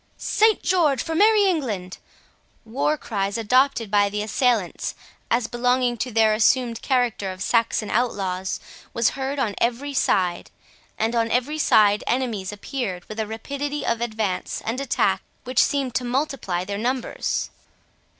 —Saint George for merry England!" war cries adopted by the assailants, as belonging to their assumed character of Saxon outlaws, was heard on every side, and on every side enemies appeared with a rapidity of advance and attack which seemed to multiply their numbers.